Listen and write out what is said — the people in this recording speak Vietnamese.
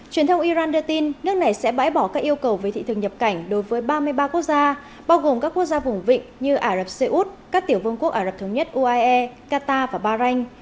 truyền thông iran đưa tin nước này sẽ bãi bỏ các yêu cầu về thị trường nhập cảnh đối với ba mươi ba quốc gia bao gồm các quốc gia vùng vịnh như ả rập xê út các tiểu vương quốc ả rập thống nhất uae qatar và bahrain